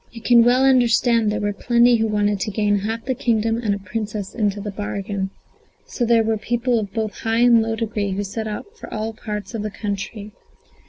You can well understand there were plenty who wanted to gain half the kingdom, and a princess into the bargain; so there were people of both high and low degree who set out for all parts of the country.